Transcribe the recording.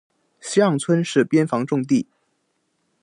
西让村是边防重地。